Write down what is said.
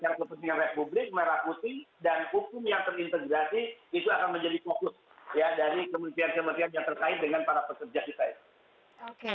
dengan para pekerja kita itu